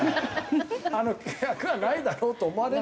１００はないだろうと思われる。